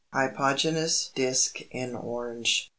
Hypogynous disk in Orange.